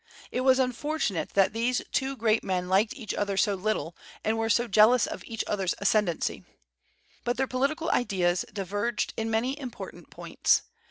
It was unfortunate that these two great men liked each other so little, and were so jealous of each other's ascendency. But their political ideas diverged in many important points.